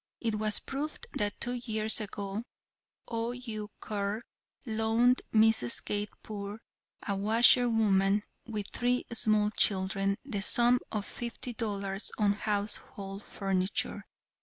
It was proved that two years ago O. U. Curr loaned Mrs. Kate Poor, a washer woman with three small children, the sum of fifty dollars on household furniture.